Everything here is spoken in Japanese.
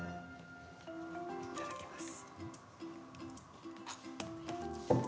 いただきます。